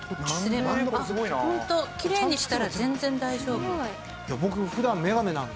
あっホントきれいにしたら全然大丈夫。